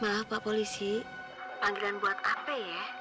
maaf pak polisi panggilan buat ap ya